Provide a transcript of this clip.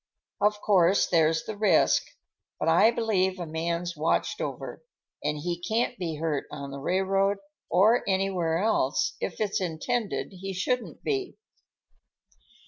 Of course there's the risk; but I believe a man's watched over, and he can't be hurt on the railroad or anywhere else if it's intended he shouldn't be."